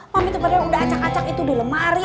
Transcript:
mami tuh padahal udah acak acak itu di lemari